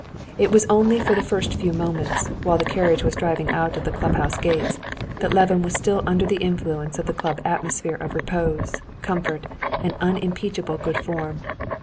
It was only for the first few moments, while the carriage was driving out of the clubhouse gates, that Levin was still under the influence of the club atmosphere of repose, comfort, and unimpeachable good form.